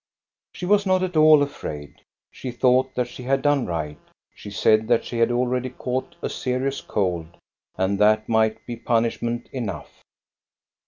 She was not at all afraid. She thought that she had done right. She said that she had already caught a serious cold, and that might be punish ment enough.